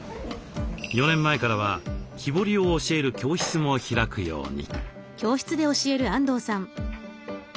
４年前からは木彫りを教える教室も開くように。